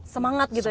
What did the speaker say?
semangat gitu ya